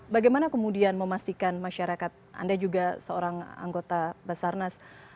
bagaimana kemudian memastikan masyarakat anda juga seorang anggota basarnas